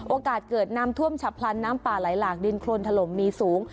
โอกาสเกิดน้ำท่วมฉับพลันน้ำป่าไหลหลากดินโครนถล่มมีสูง